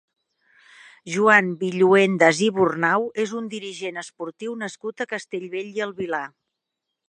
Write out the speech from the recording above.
Joan Villuendas i Bornau és un dirigent esportiu nascut a Castellbell i el Vilar.